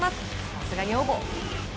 さすが女房。